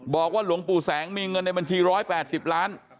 บอกว่าหลวงปู่แสงมีเงินในบัญชี๑๘๐ล้าน